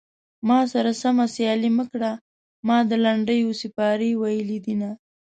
ما سره سمه سيالي مه کړه ما د لنډيو سيپارې ويلي دينه